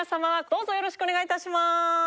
どうぞよろしくお願い致します。